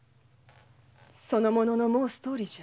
その者の申すとおりじゃ。